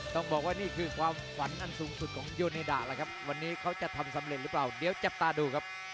ต้องบอกว่านี่คือความฝันอันสูงสุดของโยเนดาแล้วครับวันนี้เขาจะทำสำเร็จหรือเปล่าเดี๋ยวจับตาดูครับ